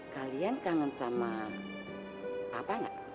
kalian kangen sama apa nggak